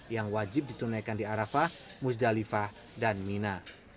yang wajib ditunaikan di arafah muzdalifah dan mina